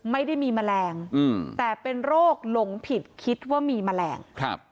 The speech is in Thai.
ไม่ได้มีแมลงแต่เป็นโรคหลงผิดคิดว่ามีแมลงครับ